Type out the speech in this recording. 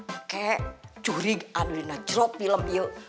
oke curiga adu rina jrop film yuk